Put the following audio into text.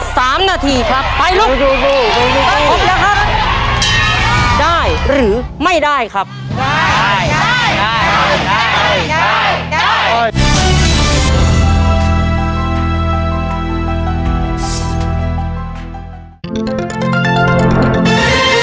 สามนาทีครับไปลุกครับครับได้หรือไม่ได้ครับได้ได้ได้ได้